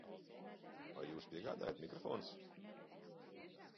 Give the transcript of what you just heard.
Vai jūs piegādājat mikrofonus?